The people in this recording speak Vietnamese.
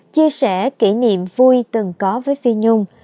chia sẻ kỷ niệm vui từng có với phi nhung